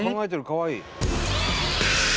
かわいい。